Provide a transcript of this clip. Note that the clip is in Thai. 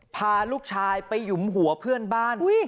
พาลูกชายไปหยุมหัวเพื่อนบ้าน